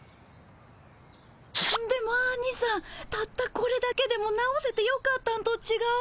でもアニさんたったこれだけでも直せてよかったんとちがう？